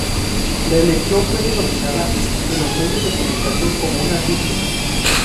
La elección fue denominada en los medios de comunicación como una "sísmica".